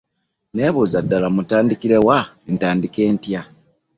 Nebuuza ddala mutandikirewa , ntandike nyta?